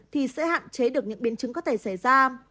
thì sẽ hạn chế được những biến chứng có thể xảy ra